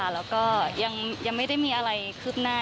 แล้วก็ยังไม่ได้มีอะไรคืบหน้า